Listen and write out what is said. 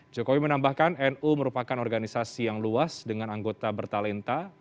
jokowi menambahkan nu merupakan organisasi yang luas dengan anggota bertalenta